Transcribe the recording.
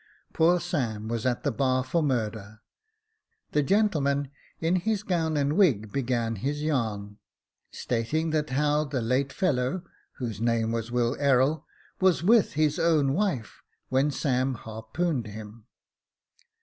Poor Sam was at the bar for murder. The gentleman in his gown and wig began his yarn, stating that how the late fellow, whose name was Will Errol, was with his own wife when Sam harpooned him.